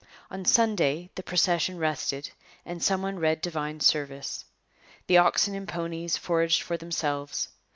On Sunday the procession rested and some one read divine service. The oxen and ponies foraged for themselves.